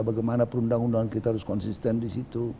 bagaimana perundang undangan kita harus konsisten di situ